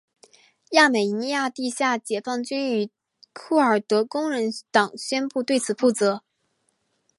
亚美尼亚地下解放军与库尔德工人党宣布对此负责。